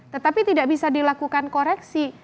tetapi tidak bisa dilakukan koreksi